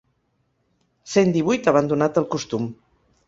Cent divuit abandonat el costum.